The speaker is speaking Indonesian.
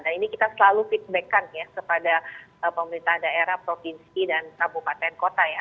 dan ini kita selalu feedback kan ya kepada pemerintah daerah provinsi dan kabupaten kota ya